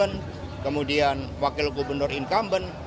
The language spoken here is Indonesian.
terhadap gubernur incumbent kemudian wakil gubernur incumbent